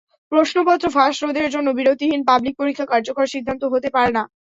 প্রশ্নপত্র ফাঁস রোধের জন্য বিরতিহীন পাবলিক পরীক্ষা কার্যকর সিদ্ধান্ত হতে পারে না।